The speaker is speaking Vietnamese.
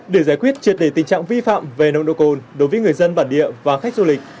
để giải quyết triệt đề tình trạng vi phạm về nồng độ cồn đối với người dân bản địa và khách du lịch